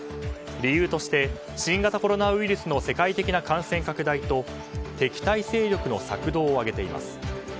理由として新型コロナウイルスの世界的な感染拡大と敵対勢力の策動を挙げています。